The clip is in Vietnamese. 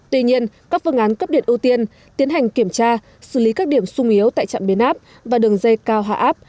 tuy nhiên các phương án cấp điện ưu tiên tiến hành kiểm tra xử lý các điểm sung yếu tại trạm biến áp và đường dây cao hạ áp